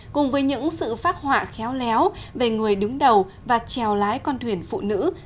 cùng với những sự phát họa khéo léo về người đứng đầu và trèo lái con thuyền phụ nữ